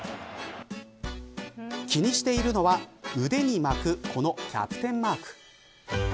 気にしているのは腕に巻くこのキャプテンマーク。